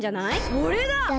それだ！